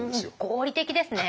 合理的ですね！